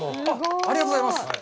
ありがとうございます。